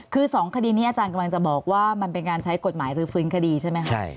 คือ๒คดีนี้อาจารย์กำลังจะบอกว่ามันเป็นการใช้กฎหมายหรือฟื้นคดีใช่ไหมคะ